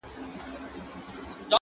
• ټولوي مینه عزت او دولتونه -